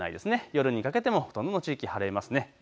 夜にかけてもほとんどの地域晴れます。